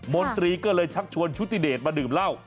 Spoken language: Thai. มนตรีก็เลยชักชวนชุติเดชมาดื่มเหล้า